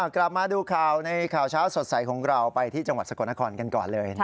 กลับมาดูข่าวในข่าวเช้าสดใสของเราไปที่จังหวัดสกลนครกันก่อนเลย